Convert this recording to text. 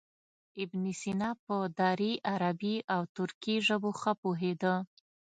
ابن سینا په دري، عربي او ترکي ژبو ښه پوهېده.